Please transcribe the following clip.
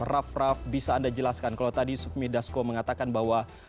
rav rav bisa anda jelaskan kalau tadi submi dasko mengatakan bahwa